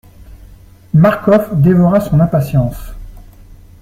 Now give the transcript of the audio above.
Marcof dévora son impatience.